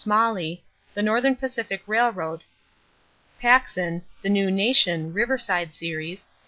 Smalley, The Northern Pacific Railroad; Paxson, The New Nation (Riverside Series), pp.